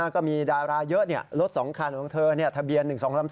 ก็มีดาราเยอะรถ๒คันของเธอทะเบียน๑๒๓๔